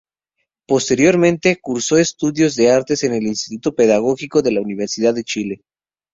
Posteriormente, cursó estudios de artes en el Instituto Pedagógico de la Universidad de Chile.